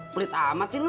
pelit amat sih lu